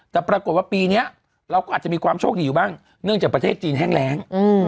แต่ปรากฏว่าปีนี้เราก็อาจจะมีความโชคดีอยู่บ้างเนื่องจากประเทศจีนแห้งแรง